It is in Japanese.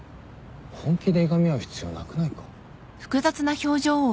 本気でいがみ合う必要なくないか？